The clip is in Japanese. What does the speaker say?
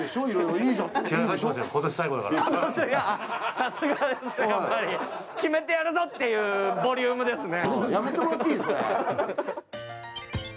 さすがですね、決めてやるぞというボリュームですね。